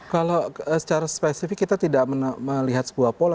kalau secara spesifik kita tidak melihat sebuah pola